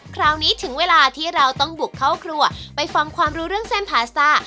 คราวนี้ถึงเวลาที่เราต้องบุกเข้าครัวไปฟังความรู้เรื่องเส้นพาซ่า